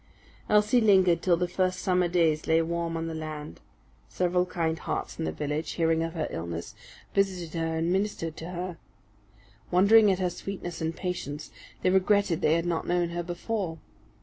Elsie lingered till the first summer days lay warm on the land. Several kind hearts in the village, hearing of her illness, visited her and ministered to her. Wondering at her sweetness and patience, they regretted they had not known her before.